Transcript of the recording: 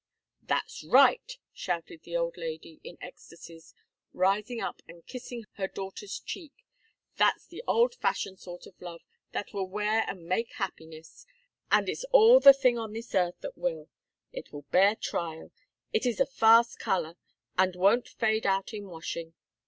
"That's right," shouted the old lady, in ecstasies, rising up and kissing her daughter's cheek; "that's the old fashioned sort of love, that will wear and make happiness, and it's all the thing on this earth that will; it will bear trial; it is a fast color, and won't fade out in washing.